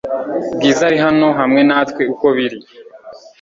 Bwiza ari hano hamwe natwe uko biri